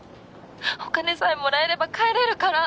「お金さえもらえれば帰れるから」